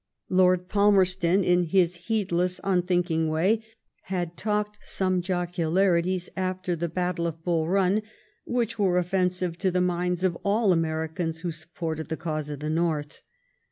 Lord Palmerston, in his heedless, unthinking way, had John Stuart Mill talked some jocularities after the battle of Bull Run which were offensive to the minds of all Americans who supported the cause of the North.